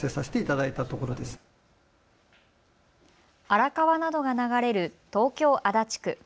荒川などが流れる東京足立区。